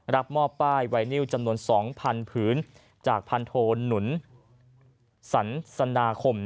รับมอบป้ายวัยนิ้วจำนวน๒๐๐๐ผืนจากพันธนนุษย์สรรสนาคม